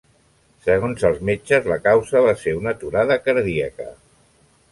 Segons els metges la causa va ser una aturada cardíaca.